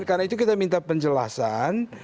karena itu kita minta penjelasan